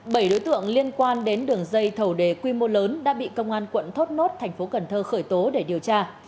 bảy đối tượng liên quan đến đường dây thầu đề quy mô lớn đã bị công an quận thốt nốt tp cn khởi tố để điều tra